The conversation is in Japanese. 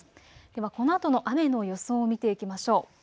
では、このあとの雨の予想を見ていきましょう。